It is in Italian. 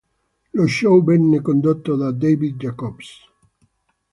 Lo show venne condotto da David Jacobs.